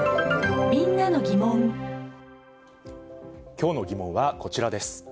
きょうのギモンはこちらです。